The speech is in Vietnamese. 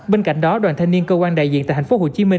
bên cạnh đó đoàn thanh niên cơ quan đại diện tại tp hcm